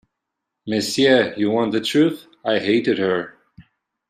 Monsieur, you want the truth — I hated her!